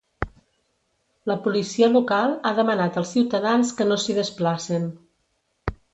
La policia local ha demanat als ciutadans que no s’hi desplacen.